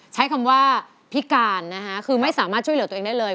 ใช้คำว่าพิการนะคะคือไม่สามารถช่วยเหลือตัวเองได้เลย